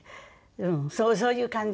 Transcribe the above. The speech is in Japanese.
うんそういう感じ。